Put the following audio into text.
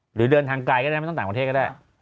หรือเดินทางไกลก็ได้ไม่ต้องต่างประเทศก็ได้